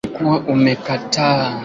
Tuna shamba kubwa sana kijijini